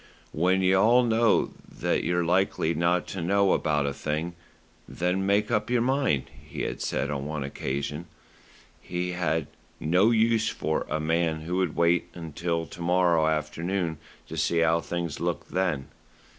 "When you know all you're likely to know about a thing, then make up your mind," he had said on one occasion. He had "no use for" a man who would wait until to morrow afternoon to see how things looked then.